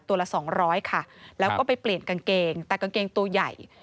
ละสองร้อยค่ะแล้วก็ไปเปลี่ยนกางเกงแต่กางเกงตัวใหญ่